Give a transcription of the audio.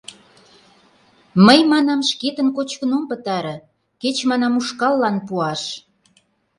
— Мый, манам, шкетын кочкын ом пытаре, кеч, манам, ушкаллан пуаш...